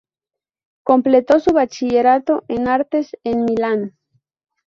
Completó su bachillerato en artes en Milán.